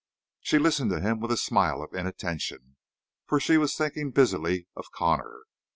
She listened to him with a smile of inattention, for she was thinking busily of Connor.